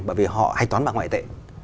bởi vì họ hay toán bằng ngoại tệ